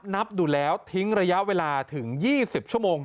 นับดูแล้วทิ้งระยะเวลาถึง๒๐ชั่วโมง